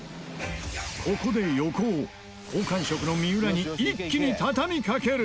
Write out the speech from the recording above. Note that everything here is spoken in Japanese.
ここで、横尾好感触の三浦に一気に畳みかける！